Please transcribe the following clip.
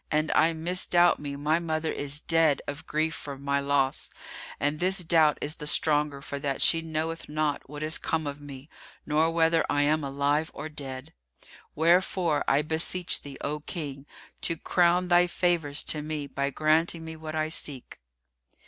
And I misdoubt me my mother is dead of grief for my loss; and this doubt is the stronger for that she knoweth not what is come of me nor whether I am alive or dead. Wherefore, I beseech thee, O King, to crown thy favours to me by granting me what I seek."